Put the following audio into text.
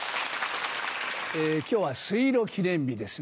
今日は水路記念日です